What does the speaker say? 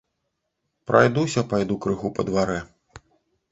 Прайдуся пайду крыху па дварэ.